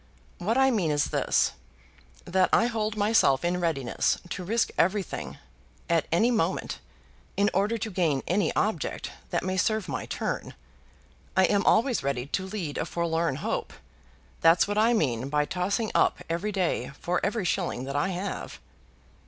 What I mean is this, that I hold myself in readiness to risk everything at any moment, in order to gain any object that may serve my turn. I am always ready to lead a forlorn hope. That's what I mean by tossing up every day for every shilling that I have."